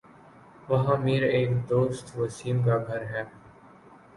وہاں میر ایک دوست وسیم کا گھر ہے